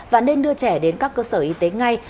và nên đưa trẻ đến các cơ sở y tế ngay